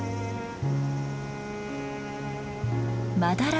マダラ